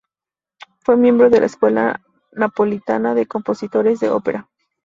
Fue miembro de la escuela napolitana de compositores de ópera.